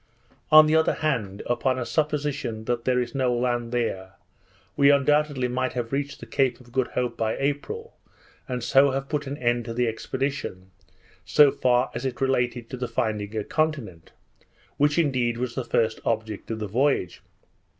On the other hand, upon a supposition that there is no land there, we undoubtedly might have reached the Cape of Good Hope by April, and so have put an end to the expedition, so far as it related to the finding a continent; which indeed was the first object of the voyage.